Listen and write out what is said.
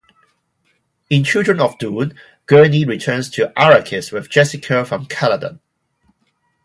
In "Children of Dune", Gurney returns to Arrakis with Jessica from Caladan.